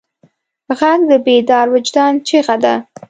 غږ د بیدار وجدان چیغه ده